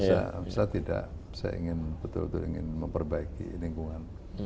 bisa tidak saya ingin betul betul ingin memperbaiki lingkungan